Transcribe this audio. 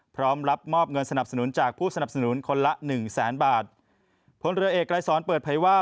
พลเรือเอกกลายสรเปิดภัยว่า